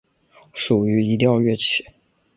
属于移调乐器。